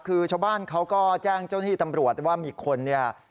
คือชาวบ้านเขาก็แจ้งเจ้าหน้าที่ตำรวจว่ามีคนเนี่ย